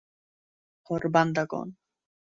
হে আল্লাহর বান্দাগণ!